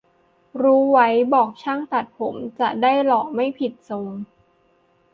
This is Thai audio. รู้ไว้บอกช่างตัดผม จะได้หล่อไม่ผิดทรง